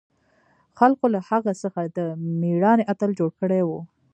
خلقو له هغه څخه د مېړانې اتل جوړ کړى و.